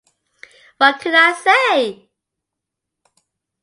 What could I say?